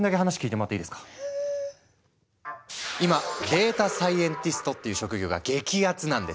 今データサイエンティストっていう職業が激アツなんです！